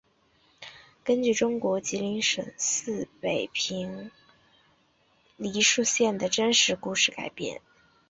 根据中国吉林省四平市梨树县的真实故事改编。